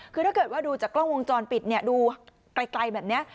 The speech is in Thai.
คือถ้าเกิดว่าดูจากกล้องวงจรปิดเนี่ยดูไกลแบบนี้